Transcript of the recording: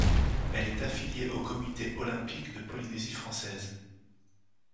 Elle est affiliée au Comité olympique de Polynésie française.